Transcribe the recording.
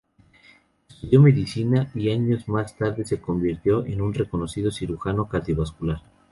Estudió medicina, y años más tarde se convirtió en un reconocido cirujano cardiovascular.